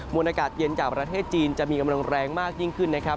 วนอากาศเย็นจากประเทศจีนจะมีกำลังแรงมากยิ่งขึ้นนะครับ